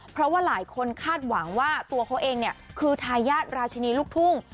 เพราะว่าหลายคนคาดหวังว่าตัวเขาเองเนี่ยคือทายาทราชินีลูกทุ่ง